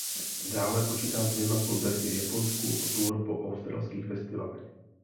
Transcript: Dále počítá s dvěma koncerty v Japonsku a tour po australských festivalech.